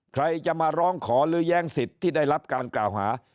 ใครจะมาร้องขอหรือแย้งสิทธิ์ที่ได้รับการกล่าวหา